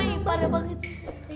ambil case laying dulu deh